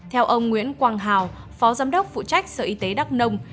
theo ông nguyễn quang hào phó giám đốc phụ trách sở y tế đắk nông